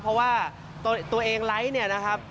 เพราะว่าตัวเองไลค์เนี่ยนะครับ